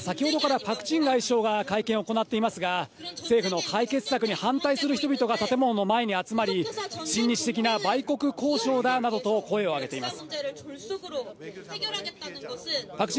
ソウルから中継です、韓国外務省では先ほどからパク・ジン外相が会見を行っていますが、政府の解決策に反対する人々が建物の前に集まり、親日的な外国交渉だと声をあげています。